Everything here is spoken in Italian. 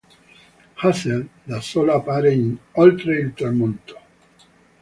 Hazel, da sola, appare in "Oltre il tramonto".